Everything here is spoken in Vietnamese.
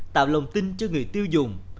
tạo lòng tin cho người tiêu dùng